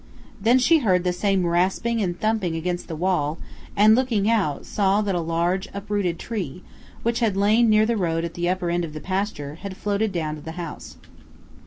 Then she heard the same rasping and thumping against the wall, and, looking out, saw that a large uprooted tree, which had lain near the road at the upper end of the pasture, had floated down to the house.